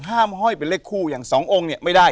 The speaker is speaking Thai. ห้ามห้อยไปเล่นคู่อย่าง๒องค์เนี่ยไม่ได้